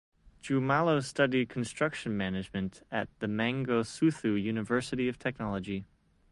Nxumalo studied construction management at the Mangosuthu University of Technology.